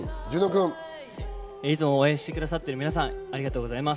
いつも応援してくださってる皆さんありがとうございます。